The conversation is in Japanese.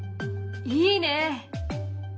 いいね！